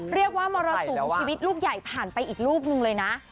เรียกว่ามรสุมชีวิตลูกใหญ่ผ่านไปอีกลูกหนึ่งเลยนะ